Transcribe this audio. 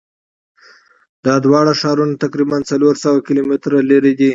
دا دواړه ښارونه تقریبآ څلور سوه کیلومتره لری دي.